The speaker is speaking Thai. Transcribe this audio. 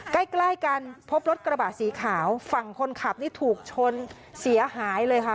ใกล้ใกล้กันพบรถกระบะสีขาวฝั่งคนขับนี่ถูกชนเสียหายเลยค่ะ